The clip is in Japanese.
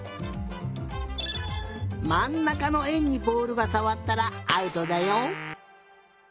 まんなかのえんにボールがさわったらアウトだよ！